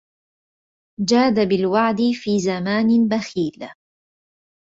جاد بالوعد في زمان بخيل